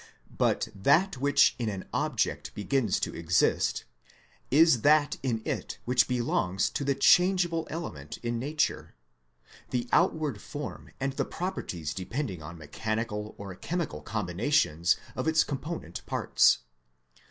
But that which in an object begins to exist, is that in it which belongs to the changeable element in nature ; the outward form and the properties depending on mechanical or chemical combinations of its component parts.